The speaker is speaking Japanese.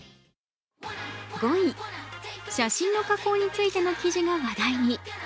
５位、写真の加工についての記事が話題に。